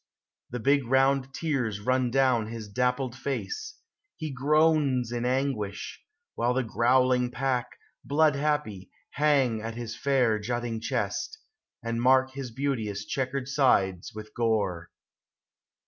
The big round tears run down his dappled face; He groans in anguish; while the growling pack, Blood happy, hang at his fair jutting chest, And mark his beauteous checkered sides with gore.